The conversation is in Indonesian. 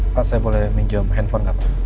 pak saya boleh minjem handphone nggak pak